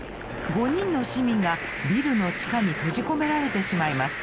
５人の市民がビルの地下に閉じ込められてしまいます。